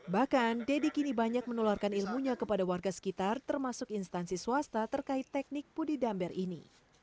bahkan deddy kini banyak menularkan ilmunya kepada warga sekitar termasuk instansi swasta terkait teknik budidamber ini